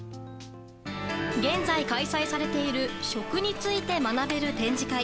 現在、開催されている食について学べる展示会。